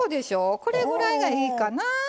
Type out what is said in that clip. これくらいがいいかな。